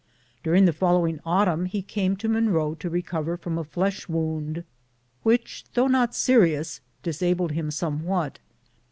During the following autumn he came to Monroe to recover from a flesh wound, which, though not serious, disabled him somewhat.